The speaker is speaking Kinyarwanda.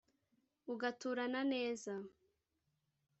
Ugaturana neza